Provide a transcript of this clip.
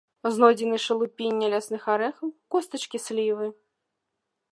Знойдзены шалупінне лясных арэхаў, костачкі слівы.